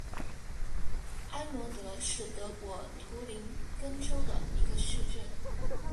安罗德是德国图林根州的一个市镇。